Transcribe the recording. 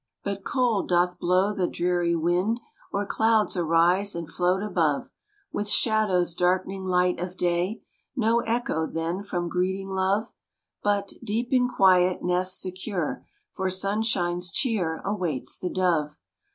But cold doth blow the dreary wind, Or clouds arise, and float above, With shadows darkening light of day; No echo then from greeting love, But, deep in quiet nest secure, For sunshine's cheer awaits the dove.